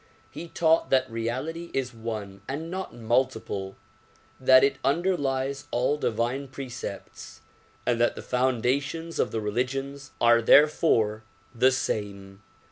He taught that reality is one and not multiple, that it underlies all divine precepts and that the foundations of the religions are therefore the same.